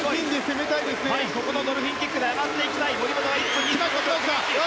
ここもドルフィンキックで上がっていきたい森本。